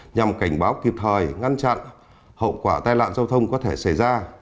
nhằm cảnh báo kịp thời ngăn chặn hậu quả tai nạn giao thông có thể xảy ra